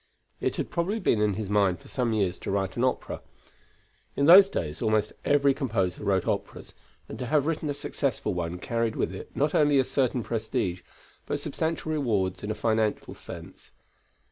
It had probably been in his mind for some years to write an opera. In those days almost every composer wrote operas, and to have written a successful one carried with it, not only a certain prestige, but substantial rewards in a financial sense.